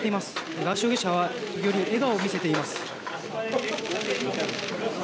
ガーシー容疑者は時折、笑顔を見せています。